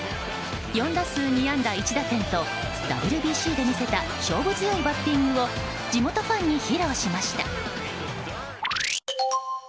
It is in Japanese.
４打数２安打１打点とＷＢＣで見せた勝負強いバッティングを地元ファンに披露しました。